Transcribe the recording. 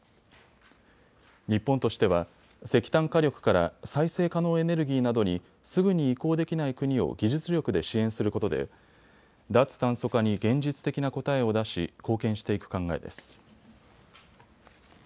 日本としては、石炭火力から再生可能エネルギーなどにすぐに移行できない国を技術力で支援することで脱炭素化に現実的な答えを出し貢献していく考えです。